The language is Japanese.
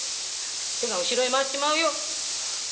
手が後ろに回っちまうよ。